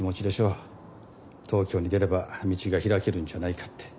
東京に出れば道が開けるんじゃないかって。